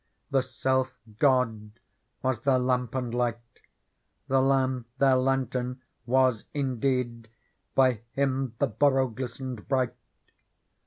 The self God was their lamp and light ; The Lamb their lantern was in deed. By Him the borough glistened bright.